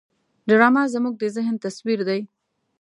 ډرامه زموږ د ذهن تصویر دی